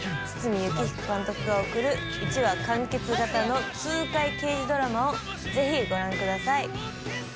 幸彦監督が送る一話完結型の鵬刑事ドラマをぜひご覧ください。